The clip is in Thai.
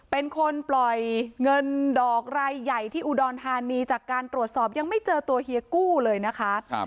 เป็นคนปล่อยเงินดอกรายใหญ่ที่อุดรธานีจากการตรวจสอบยังไม่เจอตัวเฮียกู้เลยนะคะ